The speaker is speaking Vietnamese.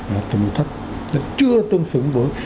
nó chưa tương xứng với